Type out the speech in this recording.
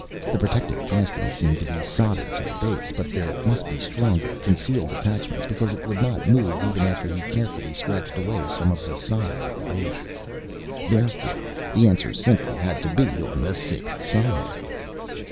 The protective casing seemed to be soldered to the base, but there must be stronger concealed attachments because it would not move even after he carefully scratched away some of the solder at the base. Therefore the answer simply had to be on the sixth side.